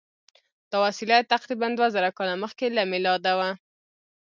دا وسیله تقریبآ دوه زره کاله مخکې له میلاده وه.